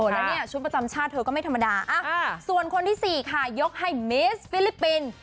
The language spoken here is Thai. แล้วเนี่ยชุดประจำชาติเธอก็ไม่ธรรมดาส่วนคนที่๔ค่ะยกให้มิสฟิลิปปินส์